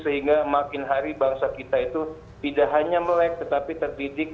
sehingga makin hari bangsa kita itu tidak hanya melek tetapi terdidik